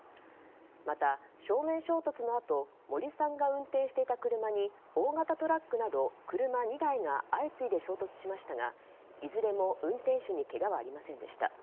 また、正面衝突のあと森さんが運転していた車に大型トラックなど車２台が相次いで衝突しましたがいずれも運転手にけがはありませんでした。